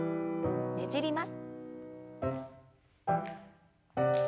ねじります。